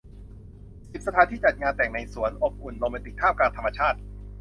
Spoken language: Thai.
สิบ สถานที่จัดงานแต่งในสวน อบอุ่น โรแมนติก ท่ามกลางธรรมชาติ